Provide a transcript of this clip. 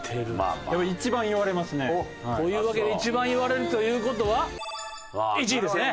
一番言われますね。というわけで一番言われるという事は１位ですね！